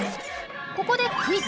ここでクイズ！